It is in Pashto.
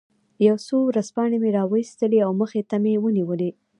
یو څو ورځپاڼې مې را وویستلې او مخې ته مې ونیولې.